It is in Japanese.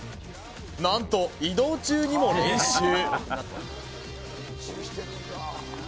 なんと移動中にも練習。